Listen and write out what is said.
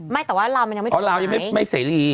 ไม่แต่ว่าราวมันยังไม่ถูกหมายอ๋อราวยังไม่เสรี